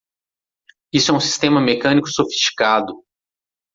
Isso é um sistema mecânico sofisticado!